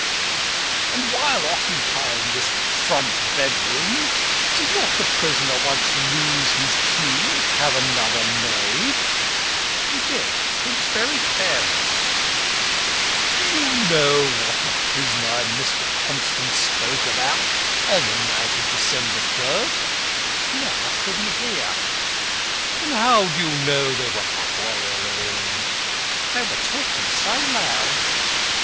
"And, while occupying this front bedroom, did not the prisoner once lose his key and have another made?" "He did; he was very careless." "Do you know what the prisoner and Mr. Constant spoke about on the night of December 3rd?" "No; I couldn't hear." "Then how did you know they were quarrelling?" "They were talkin' so loud."